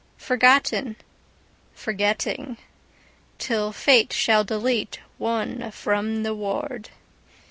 Forgotten, Forgetting, till fate shall deleteOne from the ward.